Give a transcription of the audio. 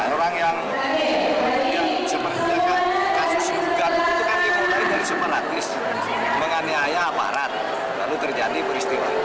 orang yang menjaga kasus yugat itu kan dimutarkan separatis menganiaya aparat lalu terjadi peristiwa